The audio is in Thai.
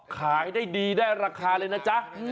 ขายได้ดีได้ราคาเลยนะจ๊ะ